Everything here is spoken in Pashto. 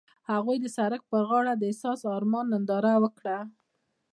هغوی د سړک پر غاړه د حساس آرمان ننداره وکړه.